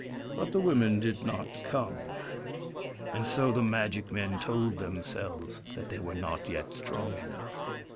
But the women did not come, and so the magic men told themselves that they were not yet strong enough.